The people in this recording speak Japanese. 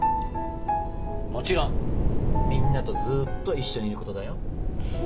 もちろんみんなとずっと一緒にいることだよ。